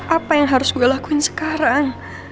apa yang harus gue lakuin sekarang